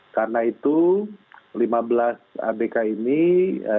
karena itu lima belas abk ini